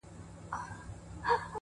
ستا د غزلونو و شرنګاه ته مخامخ يمه!